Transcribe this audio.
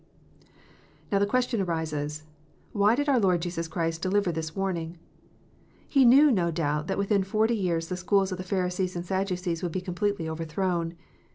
Now the question arises, Why did our Lord Jesus Christ deliver this warning ? He knew, no doubt, that within forty years the schools of the Pharisees and the Sadducees would be completely overthrown.